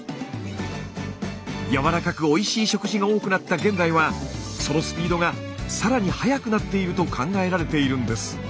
やわらかくおいしい食事が多くなった現代はそのスピードが更に速くなっていると考えられているんです。